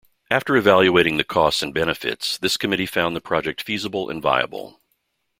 After evaluating the costs and benefits, this committee found the project feasible and viable.